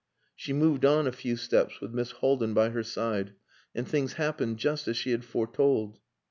She moved on a few steps, with Miss Haldin by her side, and things happened just as she had foretold.